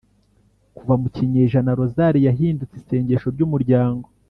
kuva mu kinyejana rozali yahindutse isengesho ry’umuryango